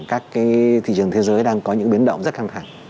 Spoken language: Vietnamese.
các cái thị trường thế giới đang có những biến động rất khăng thẳng